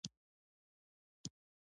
آیا نوي سرکونه جوړیږي؟